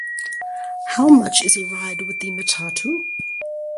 How much is a ride with the "matatu"?